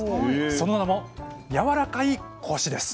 その名も「やわらかいコシ」です。